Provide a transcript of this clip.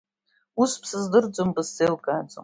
Ус бсыздырӡом, бысзеилкааӡом.